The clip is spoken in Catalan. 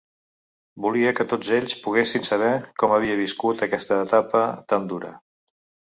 Volia que tots ells poguessin saber com havia viscut aquesta etapa tan dura.